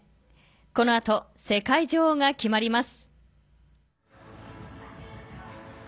このあと、世界女王が決まります。